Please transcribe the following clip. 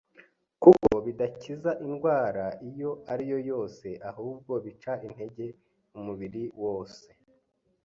kuko bidakiza indwara iyo ariyo yose, ahubwo bica intege umubiri wose,